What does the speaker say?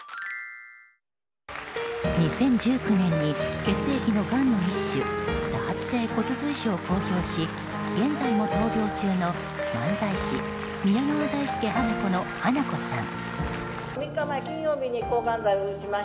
２０１９年に血液のがんの一種多発性骨髄腫を公表し現在も闘病中の漫才師宮川大助・花子の花子さん。